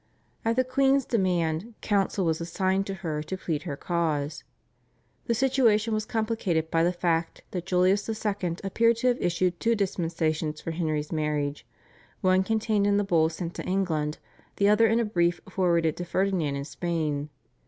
At the queen's demand counsel was assigned to her to plead her cause. The situation was complicated by the fact that Julius II. appears to have issued two dispensations for Henry's marriage, one contained in the Bull sent to England, the other in a brief forwarded to Ferdinand in Spain.